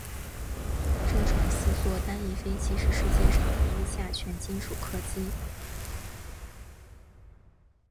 这种四座单翼飞机是世界上第一架全金属客机。